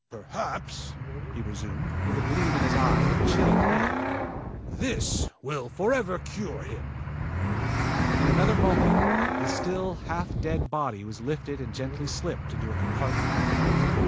"Perhaps," he resumed, with a gleam in his eyes that chilled Hale, "this will forever cure him." In another moment, the still, half dead body was lifted and gently slipped into a compartment.